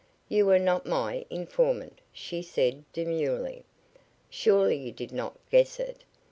"You were not my informant," she said, demurely. "Surely you did not guess it."